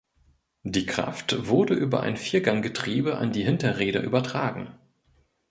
Die Kraft wurde über ein Vierganggetriebe an die Hinterräder übertragen.